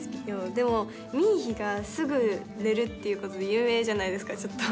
でも、ミーヒがすぐ寝るっていうことで有名じゃないですか、ちょっと。